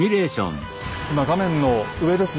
今画面の上ですね